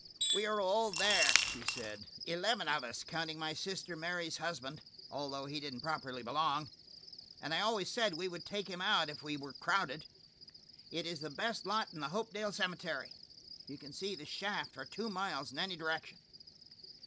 "We are all there," she said, "eleven of us, counting my sister Mary's husband, although he don't properly belong, and I always said we would take him out if we were crowded. It is the best lot in the Hopedale Cemetery; you can see the shaft for two miles in any direction."